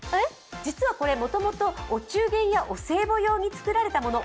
実はこれ、もともとお中元やお歳暮に作られたもの。